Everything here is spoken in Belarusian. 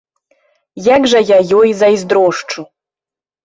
Як жа я ёй зайздрошчу!